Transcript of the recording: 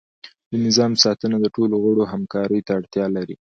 د نظام ساتنه د ټولو غړو همکاری ته اړتیا لري.